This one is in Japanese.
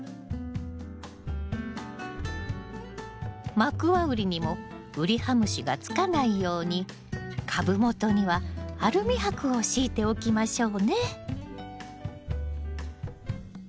マクワウリにもウリハムシがつかないように株元にはアルミ箔を敷いておきましょうね。